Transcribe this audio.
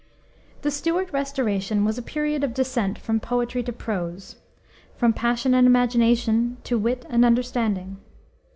The Stuart Restoration was a period of descent from poetry to prose, from passion and imagination to wit and understanding.